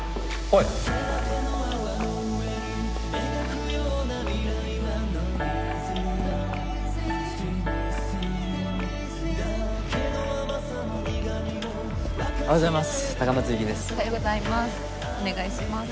お願いします。